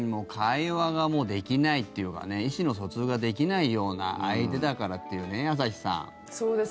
会話がもうできないというか意思の疎通ができないような相手だからというね、朝日さん。